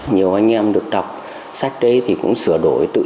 nhiều anh em được đọc sách đấy thì cũng sửa đổi tự sửa đổi